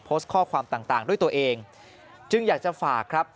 โพสต์ข้อความต่างด้วยตัวเองจึงอยากจะฝากครับ